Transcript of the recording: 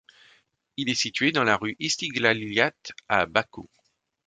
Il est situé dans la rue Istiglaliyyat à Bakou.